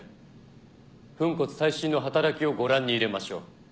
粉骨砕身の働きをご覧に入れましょう。